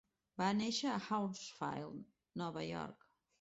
Va néixer a Hounsfield, Nova York.